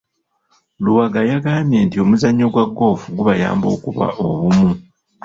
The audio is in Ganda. Luwaga yagambye nti omuzannyo gwa golf gubayamba okuba obumu.